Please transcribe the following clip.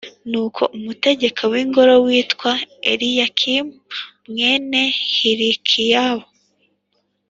Nuko umutegeka w’ingoro witwa Eliyakimu mwene Hilikiyahu,